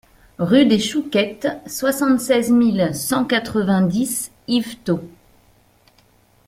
Rue des Chouquettes, soixante-seize mille cent quatre-vingt-dix Yvetot